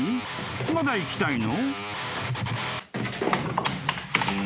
まだいきたいの？］